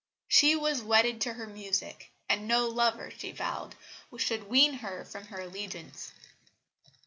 She was wedded to her music, and no lover, she vowed, should wean her from her allegiance.